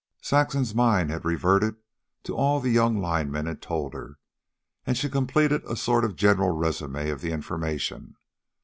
Saxon's mind had reverted to all the young lineman had told her, and she completed a sort of general resume of the information.